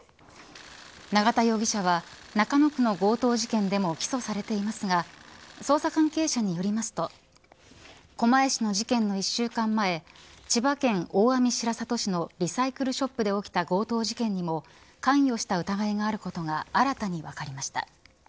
永田容疑者は中野区の強盗事件でも起訴されていますが捜査関係者によりますと狛江市の事件の１週間前千葉県大網白里市のリサイクルショップで起きた強盗事件にも関与した疑いがあることが新たに分かりました。